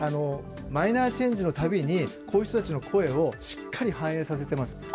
マイナーチェンジのたびに、こういう人たちの声をしっかり反映させています。